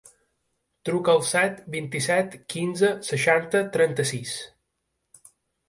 Truca al set, vint-i-set, quinze, seixanta, trenta-sis.